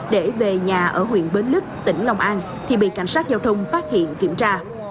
để về nhà ở huyện bến lức tỉnh long an thì bị cảnh sát giao thông phát hiện kiểm tra